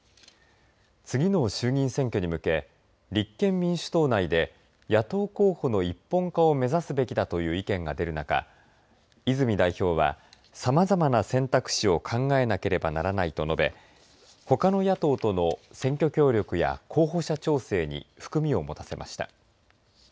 次の衆議院選挙に向け立憲民主党内で野党候補の一本化を目指すべきだという意見が出る中泉代表はさまざまな選択肢を考えなければならないと述べほかの野党との選挙協力や候補者調整に含みを持たせました。